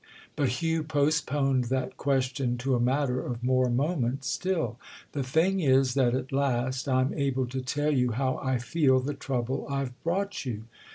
But Hugh postponed that question to a matter of more moment still. "The thing is that at last I'm able to tell you how I feel the trouble I've brought you."